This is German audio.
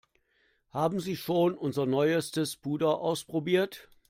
Haben Sie schon unser neuestes Puder ausprobiert?